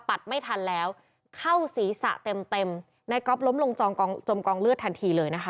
ไม่ทันแล้วเข้าศีรษะเต็มเต็มในก๊อฟล้มลงจองกองจมกองเลือดทันทีเลยนะคะ